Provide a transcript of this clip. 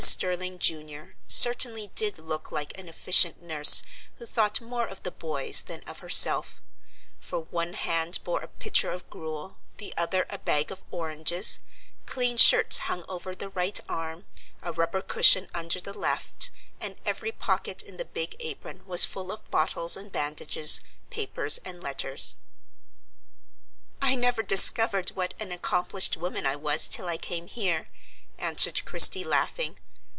Sterling, Jr., certainly did look like an efficient nurse, who thought more of "the boys" than of herself; for one hand bore a pitcher of gruel, the other a bag of oranges, clean shirts hung over the right arm, a rubber cushion under the left, and every pocket in the big apron was full of bottles and bandages, papers and letters. "I never discovered what an accomplished woman I was till I came here," answered Christie, laughing.